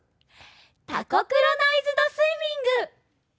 「タコクロナイズドスイミング」。